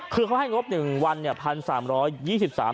คือเขาให้งบ๑วันเนี่ย๑๓๒๓บาท